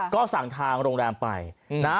ก็สั่งทางโรงแรมไปนะ